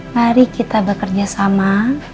mari kita bekerja sama